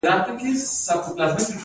زعفران ولې د افغانستان سره طلا بلل کیږي؟